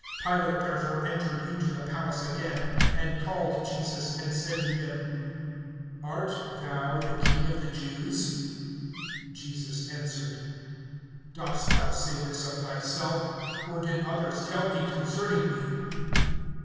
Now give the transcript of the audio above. (33)Pilate therefore entered into the palace again, and called Jesus, and said to him: Art thou the King of the Jews? (34)Jesus answered: Dost thou say this of thyself, or did others tell thee concerning me?